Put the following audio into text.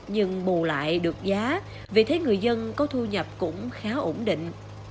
nhưng bù lại được giá vì thế người dân có thu nhập cũng khá ổn định